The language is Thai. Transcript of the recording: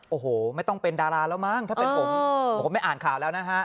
โอ้โหไม่ต้องเป็นดาราแล้วมั้งถ้าเป็นผมผมก็ไม่อ่านข่าวแล้วนะฮะ